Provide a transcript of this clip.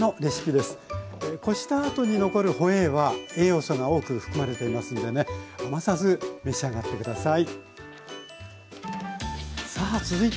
こしたあとに残るホエーは栄養素が多く含まれていますんでね余さず召し上がって下さい。